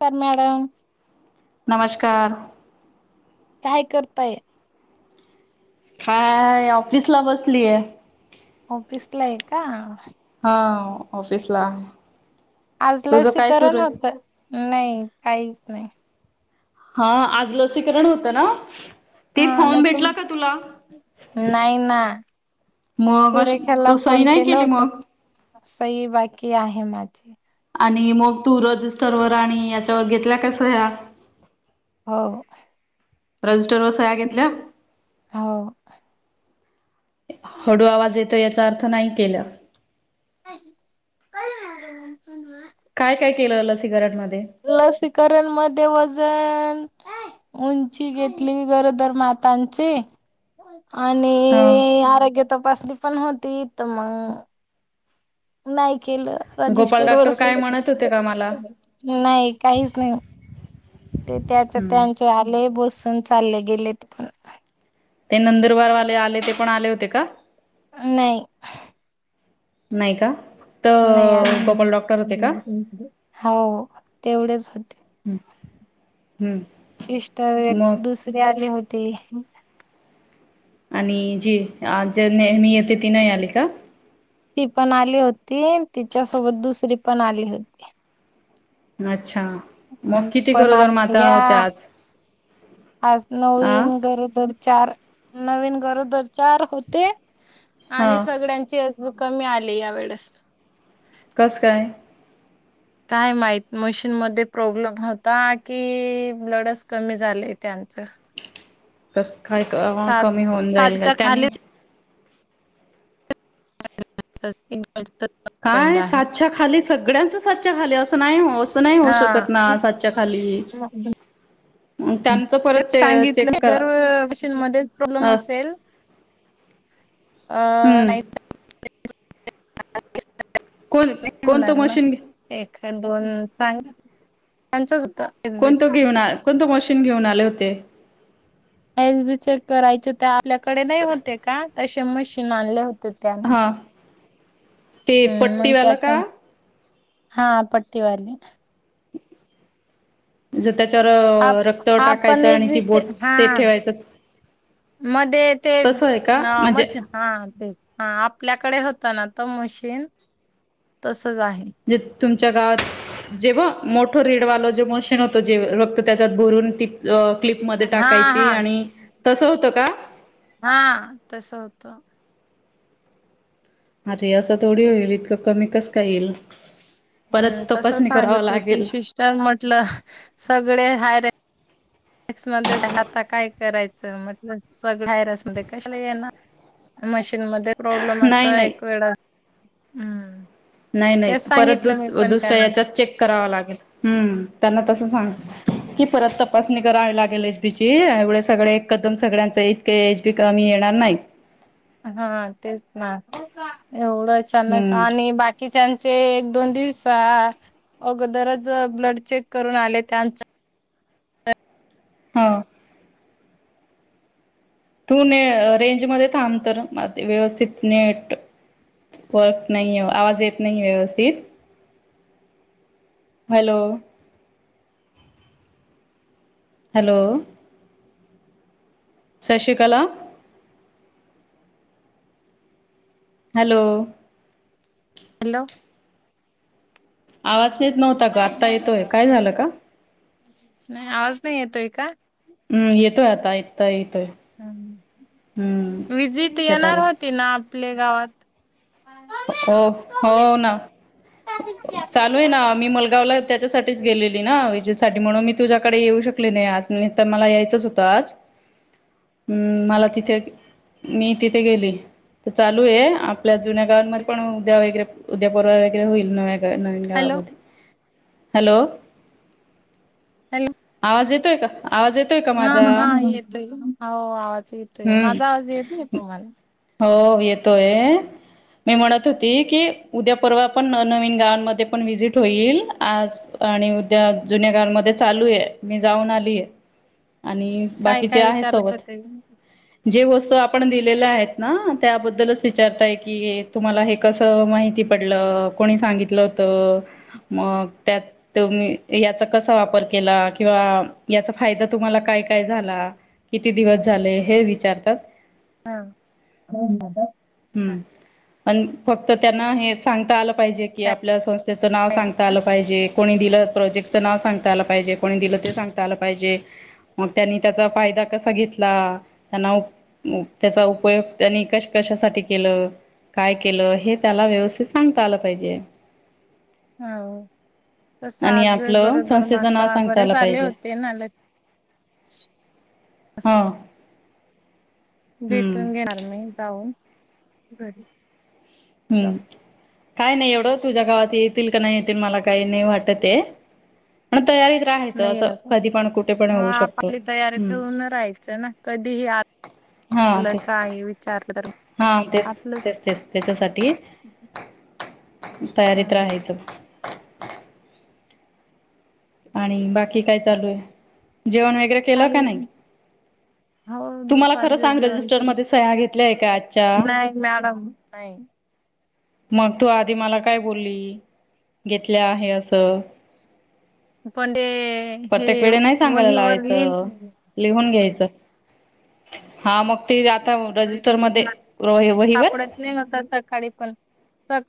तर मॅडम कार काय करताय काय ऑफिसला बसलीये ऑफिसला आहे का हा ऑफिस ला आज लसीकरण होतं. नाही काहीच नाही हा आज लसीकरण होतं ना. ते हा नाही फॉर्म भेटला का तुला तुमी नाही ना. मग अ सुरेखाला तू सही फोन नाही केला केली होता. मग सही बाकी आहे माझी आणि मग तू रजिस्टर वर आणि याच्यावर घेतल्या का सह्या? हो. रजिस्टर वर सह्या घेतल्या? हो हळू आवाज येतोय याचा अर्थ नाही केल. नाहि कळून आलं नाहि ते मला काय काय केलं लसीकरण मध्ये लसीकरण मध्ये वजन उंची घेतली गरोदर मातांची हा आणि आरोग्य तपासणी पण होती त मग नाही केलं गोपाल रजिस्टर वर डॉक्टर सही काय म्हणत होते का मला नाही काहीच नाही. ते त्याच हम्म त्यांचे आले बसून चालले गेलेत पण ते नंदुरबारवाले आले ते पण आले होते का? नाही. नाही का? नाही तर गोपाल डॉक्टर होते का आले हो तेवढेच होते. हम्म. सिस्टर एक मग दुसरी आली होती. आणि जी आ ज्या नेहमी येते ती नाही आली का? ती पण आली होती तिच्यासोबत दुसरी पण आली होती. अच्छा मग किती पण गरोदर आता माता या होत्या आज? आज आ नवीन गरोदर चार नवीन गरोदर चार होते. हा आणि सगळ्यांचे एच बी कमी आले या वेळेस कसं काय? काय माहित मशीन मध्ये प्रॉब्लेम होता, की ब्लडस कमी झालय त्यां अच्छा कस काय अ कमी होऊन जाईल का सातच्या खाली त्यांनीच त [unintelligible] काय सातच्या खाली सगळ्यांचं सातच्या खाली असं नाही, हो असं नाही होऊ शकत ना सातच्या खाली दम [unintelligible] त्यांचं परत त्यात चे चेक सांगितलंय करा तर मशीन मध्येच प्रॉब्लेम अ असेल अ हम्म नाही [unintelligible] कोण कोणतं मशीन घे? खन दोन चांगल दोघांचच होत एच बी कोणतं चांगल घेऊन कोणतं मशीन घेऊन आले होते? एच बी चेक करायचे ते आपल्याकडे नाही, होतअ य का तशे मशीन आणले होते. तर त्यांना हा ते ह मग ते पट्टीवालं आता का हां पट्टीवाले जत आप त्याच्यावर रक्त आपण टाकायचं आणि ती एसबीचे बोट हा ते ठेवायचं मध्ये ते तसं आहे का अ म्हणजे मशीन हा तेच हा आपल्याकडे होतं ना तर मशीन तसच आहे. जे तुमच्या गावात जेव्हा मोठं रीडवाल जे मशीन होतं, जे रक्त त्याच्यात भरून ती अ हा क्लिपमध्ये हा. टाकायची आणि तसं होतं का? हा तस होतं. अरे असं थोडी होईल, इतकं कमी कस काय येईल? परत हम्म तस तपासणी करावं सांगत होती लागेल सिस्टर म्हटलं अ सगळे हाय र एक्समध्ये आता काय करायचं म्हटलं सगळं बाहेर असू दे कशाला येणार म्ह मध्ये प्रॉब्लेम नाही असा नाही एक वेळा हम्म नाही नाही तेच परत सांगितलं दुस मी पण दुसऱ्या त्यांना याच्यात चेक करावा लागेल हम्म त्यांना तसं सांग की परत तपासणी करावी लागेल एच बी ची एवढ सगळ एकदम सगळ्यांच इतके एच बी कमी येणार नाही. हा तेच ना एवढं अचान हम्म आणि बाकीच्यांन ते एक दोन दिवसा अगोदरच ब्लड चेक करून आले त्यांच हो तू न रेंजमध्ये थांब तर व्यवस्थित नेट फक नाही आहे आवाज येत नाही व्यवस्थित hello hello Shashikala hello hello आवाज येत नव्हता ग आत्ता येतोय काय झालं का नाही आवाज नाही येतोय का हम् येतोय आता इ व्हिजिट त्यात येणार आला होती ना आपल्या गावात हो हो ना चालू आहे ना मी मुलगावला त्याच्यासाठीच गेलेली ना विजेसाठी म्हणून मी तुझ्याकडे येऊ शकली नाही आज तर मला यायचंच होतं आज ह हम् मला तिथे मी तिथे गेली तर चालू आहे आपल्या जुन्या गावांमध्ये पण उद्या वगैरे उद्या परवा वगैरे होईल नव्या नवीन हॅलो गावामध्ये हॅलो हॅलो आवाज येतोय का आवाज येतोय का हा माझा हा येतोय हो आवाज येतोय हम्म माझा आवाज येतो येतो मला हो येतोय मी म्हणत होती की उद्या परवा पण नवीन गावांमध्ये पण व्हिजिट होईल आज आणि उद्या जुन्या गावांमध्ये चालू आहे मी जाऊन आलीय आणि काय बाकीचे काय आहे विचारत सोबत होते जे वस्तू आपण दिलेल्या आहेत ना त्याबद्दलच विचारताय की तुम्हाला हे कसं माहिती पडलं कोणी सांगितलं. मग त्यात याचा कसा वापर केला किंवा या फायदा तुम्हाला काय काय झाला किती दिवस झाले हे विचारतात हम्म. हा. पण फक्त त्यांना हे सांगता आलं पाहिजे की आपल्या संस्थेचं नाव काय सांगता आलं पाहिजे. कोणी दिलं प्रोजेक्टचं नाव सांगता आलं पाहिजे कोणी दिलं ते सांगता आलं पाहिजे. मग त्यांनी त्याचा फायदा कसा घेतला त्यांना त्याचा. उपयोग त्यांनी कश कशासाठी केलं. काय केलं हे त्याला व्यवस्थित सांगता आलं पाहिजे. हा. तस आणि आज आपलं गरोदर संस्थेचं नाव माता सांगता बरे आलं आले पाहिजे होते ना ल. हा. हम्म भेटून घेणार मी जाऊन घरी.. हम्म जाऊन. काय नाही एवढं तुझ्या गावात येतील का नाही. मला काही नाही वाटत ते तयारीत राहायचं नाही असं येणार का? कधी पण कुठे पण हा होऊ शकत आपली तयारी हम. ठेवून राहायचं ना कधीही हा आलं तेच काय विचारलं तर हा तेच तेच आपलंच तेच त्याच्यासाठी. हा तयारीत राहायचं. आणि बाकी काय का चालू आहे, जेवण वगैरे केलं का नाही. हो तुम्हाला खरं दुपारीच्या सांग जेवण तर रजिस्टरमध्ये सह्या घेतल्या आहे का आजच्या नाही मॅडम नाही [inaudible] मग तू आधी मला काय बोलली घेतल्या आहे असं. पण ते. हे प्रत्येक वेळे नाही सांगायला वहीवर लिहिल लावायचं लिहून घ्यायचं. हा मग त [unintelligible] सापडत नाही होता सकाळी पण स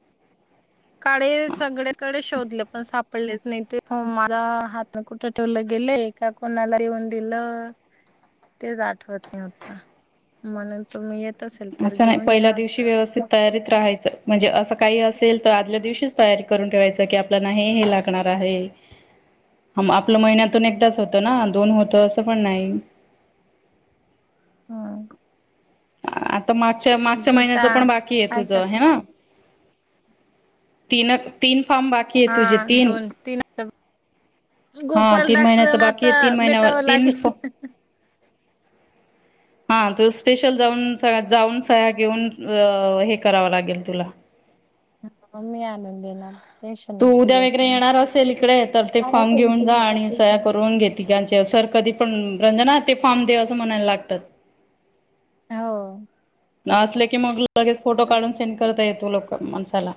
काडे सगळ्याकडे शोधले पण सापडलेच नाही ते माझ हात कुठं ठेवलंय. गेल् एका कोनाला येऊदिल. तेच आठवत न होत म्हणून तुम् येत असेल तर असं नाही घेऊन पहिल्या या दिवशी असं व्यवस्थित तयारीत राहायचं म्हणजे असं काही असेल तर आदल्या दिवशीच तयारी करून ठेवायच की, आपल्याला हे लागणार आहे. ह आपलं महिन्यातून एकदाच होतं, ना दोन होतं असं पण नाही. हम्म. आता मागच्या मागच्या महिन्याचं पण बाकी आहे, काय कर तुझं हे ना. तीनक तीन फार्म बाकी आहे, तुझे तीन. तम हा गोपाल तीन दास महिन्याच बाकी आता आहे तीन महिन्यावर बेटाव तीन लागेल फ हं हं हं. [inaudible] हा तू स्पेशल जाऊन स जाऊन सहया घेऊन हे करावं लागेल तुला. ह ममी आन देणार. टेन्शन तू नको उद्या घ्या वगैरे तुम्ही. येणार असेल इकडे तर ते फॉर्म घेऊन जा आणि सह्या करून घे तिघांचे. तेव सर कधी पण रंजना ते फाम दे असं म्हणायला लागतात. होय. असले की, मग लगेच फोटो काढून सेंड तर करता येतो लोक माझा. चला.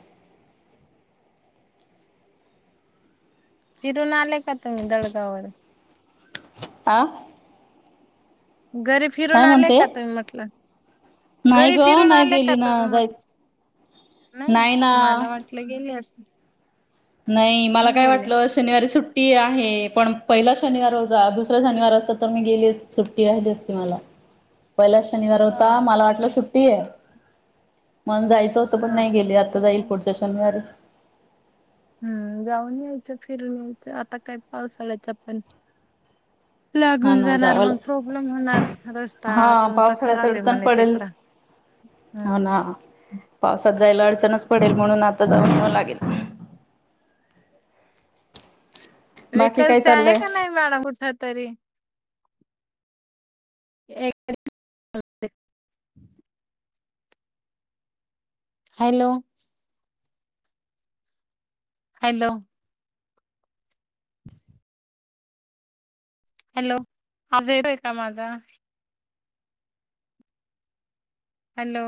फिरून आले का तुम्ही दळगावर. आ घरी फिरून काय आले का म्हणते तुम्ही म्हटलं. नाही घरी ग फिरून नाही आले का गेली ना तुम्ही जाय म्हटलं. नाही मला वाटलं गेले अस नाही मला काय वाटलं शनिवारी सुट सुट्टी आहे, पण पहिला शनिवार हो दुसरा शनिवार असता तर मी गेली सुट्टी आहे, जसती मला. [inaudible] पहिला शनिवार हा. होता, मला वाटलं सुट्टी आहे, मन जायचं. होत पण हा. नाही गेले आता जाईल पुढच्या शनिवारी. हम्म गाऊन यायचं फिरून यायचं आता काय पाऊसाड्यायच पण [unintelligible] हा लागून ना जाणार जावं मग लाग प्रॉब्लेम होणार रस्ता हा तुमचा पावसाळ्यात खराब आहे, अडचण म्हणे पडेल तिकड. हो ना पावसात जायला अडचणच पडेल म्हणून आता जाऊन येव लागेल. बाकी काय व्हेकल्स आहे, चाललंय का नाही मॅडम कुठ तरी. एक [unintelligible] हॅलो. हॅलो. हॅलो आवाज येतोय का माझा. हॅलो.